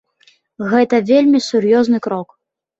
Гэта вельмі сур'ёзны крок.